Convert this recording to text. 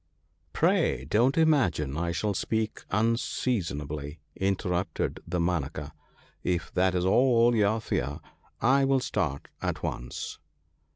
'Pray don't imagine I shall speak unseasonably/ in terrupted Damanaka ;' if that is all you fear, I will start at once.'